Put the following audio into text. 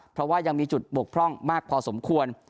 เพราะว่ายังมีจุดบกพร่องมากพอสมควร